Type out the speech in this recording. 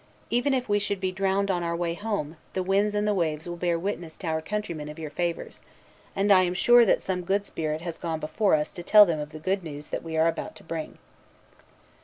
Even if we should be drowned on our way home, the winds and the waves will bear witness to our countrymen of your favors; and I am sure that some good spirit has gone before us to tell them of the good news that we are about to bring."